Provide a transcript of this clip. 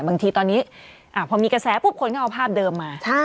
บางทีตอนนี้พอมีกระแสปุ๊บคนก็เอาภาพเดิมมา